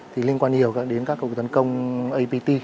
thì liên quan nhiều đến các cuộc tấn công apt